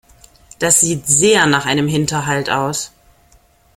Das sieht sehr nach einem Hinterhalt aus.